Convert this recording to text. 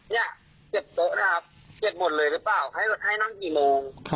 เนี่ยเก็บโต๊ะนะครับเก็บหมดเลยหรือเปล่าให้นั่งกี่โมง